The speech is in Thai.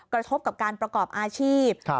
กระทบกับการประกอบอาชีพ